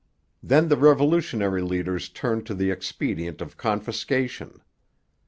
Then the revolutionary leaders turned to the expedient of confiscation.